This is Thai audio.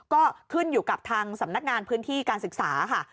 ก็ขึ้นอยู่กับทางสำนักงานพื้นที่การศึกษาค่ะ